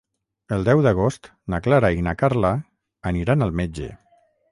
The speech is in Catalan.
El deu d'agost na Clara i na Carla aniran al metge.